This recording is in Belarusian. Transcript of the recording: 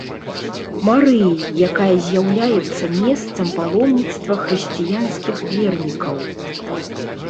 Марыі, якая з'яўляецца месцам паломніцтва хрысціянскіх вернікаў.